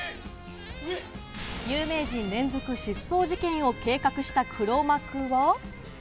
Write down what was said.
有名人連続失踪事件を計画した黒幕は？